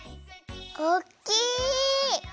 おっきい！